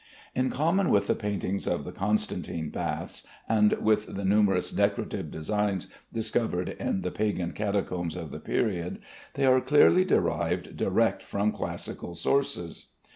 In common with the paintings of the Constantine baths, and with the numerous decorative designs discovered in the pagan catacombs of the period, they are clearly derived direct from classical sources.